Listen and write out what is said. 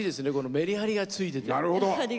メリハリがついてて。